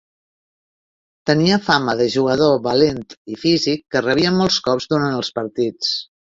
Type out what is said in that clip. Tenia fama de jugador valent i físic, que rebia molts colps durant els partits.